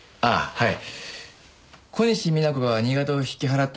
はい。